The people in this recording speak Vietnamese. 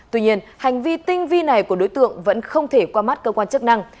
tuy nhiên hành vi tinh vi này của đối tượng vẫn không thể qua mắt cơ quan chức năng